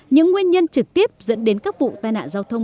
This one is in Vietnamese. những nguyên nhân trực tiếp dẫn đến các vụ tai nạn giao thông